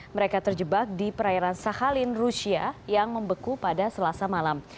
mereka terjebak di perairan sahalin rusia yang membeku pada selasa malam